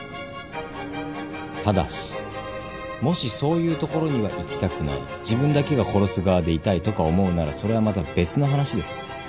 ただしもしそういう所には行きたくない自分だけが殺す側でいたいとか思うならそれはまた別の話です。